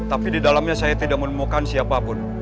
tapi di dalamnya saya tidak menemukan siapapun